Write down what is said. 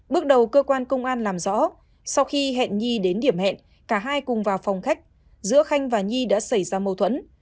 bước đầu cơ quan công an làm rõ sau khi hẹn nhi đến điểm hẹn cả hai cùng vào phòng khách giữa khanh và nhi đã xảy ra mâu thuẫn